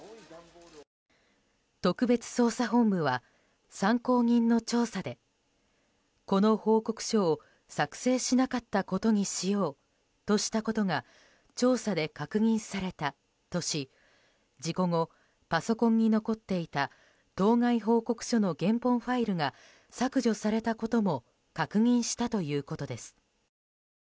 特別捜査本部は、参考人の調査でこの報告書を作成しなかったことにしようとしたことが調査で確認されたとし事故後、パソコンに残っていた当該報告書の原本ファイルが削除されたことも確認したということです。